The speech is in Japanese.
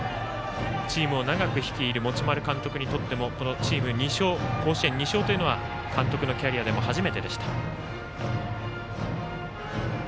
チームを長く率いる持丸監督にとっても甲子園２勝というのは監督のキャリアでも初めてでした。